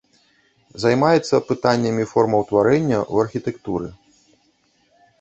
Займаецца пытаннямі формаўтварэння ў архітэктуры.